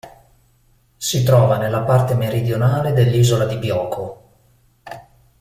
Si trova nella parte meridionale dell'isola di Bioko.